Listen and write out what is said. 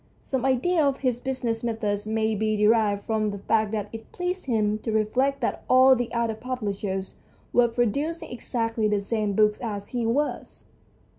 Some idea of his business methods may be derived from the fact that it pleased him to reflect that all the other publishers were producing exactly the same books as he was.